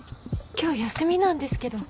今日休みなんですけど。